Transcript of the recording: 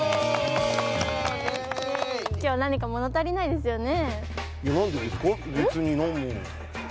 今日、何か物足りないですよね？